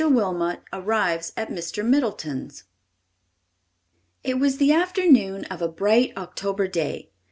WILMOT ARRIVES AT MR. MIDDLETON'S It was the afternoon of a bright October day.